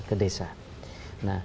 ke desa nah